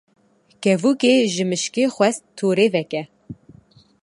Kevokê ji mişkê xwest torê veke.